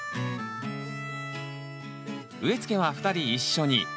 植えつけは２人一緒に。